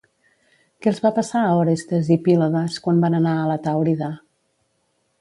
Què els va passar a Orestes i Pílades quan van anar a la Tàurida?